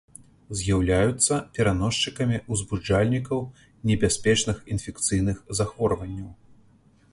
З'яўляюцца пераносчыкамі узбуджальнікаў небяспечных інфекцыйных захворванняў.